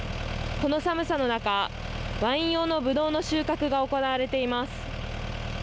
この寒さの中ワイン用のぶどうの収穫が行われています。